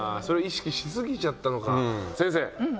それ意識しすぎちゃったのか先生。